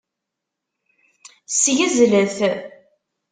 Ssgezlet.